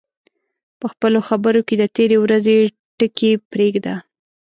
په خپلو خبرو کې د تېرې ورځې ټکي پرېږده